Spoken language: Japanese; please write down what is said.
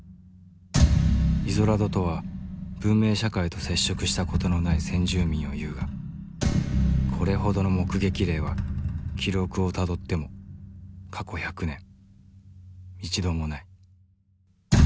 イゾラドとは文明社会と接触した事のない先住民をいうがこれほどの目撃例は記録をたどっても過去１００年一度もない。